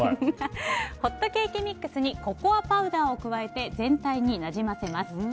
ホットケーキミックスにココアパウダーを加えて全体になじませます。